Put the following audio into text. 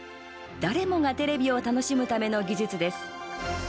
誰もがテレビを楽しむための技術です。